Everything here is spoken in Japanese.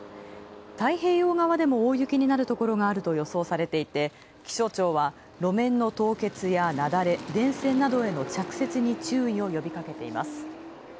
太平洋側でも大雪になるところがあると予想されていて、気象庁は路面の凍結やなだれ電線などへの着雪に注意を呼びかけています。